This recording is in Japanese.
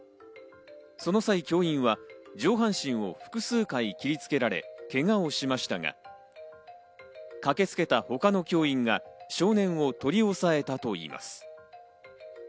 その際、教員は上半身を複数回、切りつけられ、けがをしましたが、駆けつけた他の教員が少年を取り押さえたといいます。